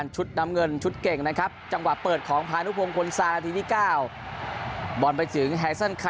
ชมบุรีฮ